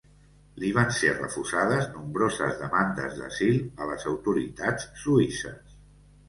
Li van ser refusades nombroses demandes d'asil a les autoritats suïsses.